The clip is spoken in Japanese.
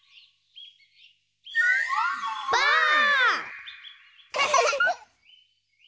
ばあっ！